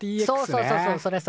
そうそうそうそうそれそれ。